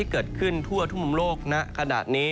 เกิดขึ้นทั่วทุ่มโลกณขณะนี้